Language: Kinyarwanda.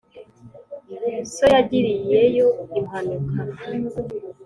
so yagiriyeyo impanuka;